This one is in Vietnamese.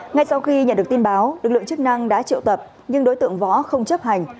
ngay sau khi nhận được tin báo lực lượng chức năng đã triệu tập nhưng đối tượng võ không chấp hành